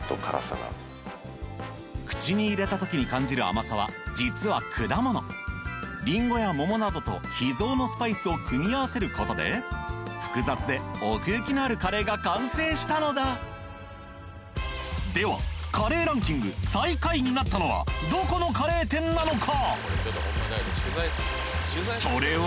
口に入れた時に感じる甘さは実は果物リンゴや桃などと秘蔵のスパイスを組み合わせる事で複雑で奥行きのあるカレーが完成したのだではカレーランキング最下位になったのはどこのカレー店なのか？